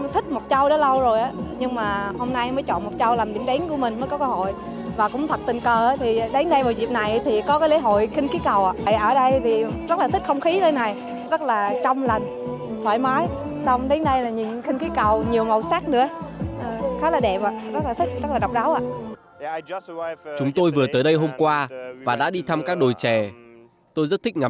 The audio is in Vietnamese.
thoải mái xong đến đây là những kinh khí cầu nhiều màu sắc nữa